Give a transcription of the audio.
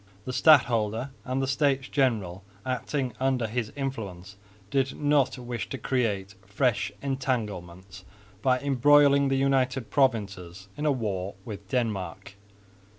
The stadholder, and the States General acting under his influence, did not wish to create fresh entanglements by embroiling the United Provinces in a war with Denmark.